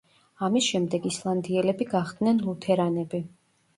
ამის შემდეგ ისლანდიელები გახდნენ ლუთერანები.